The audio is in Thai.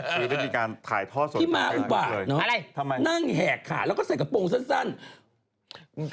คือได้มีการถ่ายทอดสดพี่ม้าอุบะนั่งแหกขาแล้วก็ใส่กระโปรงสั้น